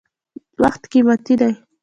• وخت قیمتي دی.